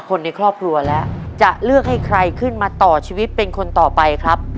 คนในครอบครัวแล้วจะเลือกให้ใครขึ้นมาต่อชีวิตเป็นคนต่อไปครับ